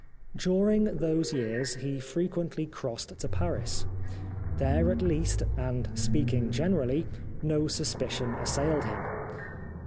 During those years he frequently crossed to Paris. There, at least, and speaking generally, no suspicion assailed him.